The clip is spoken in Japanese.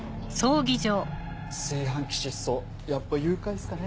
炊飯器失踪やっぱ誘拐っすかね？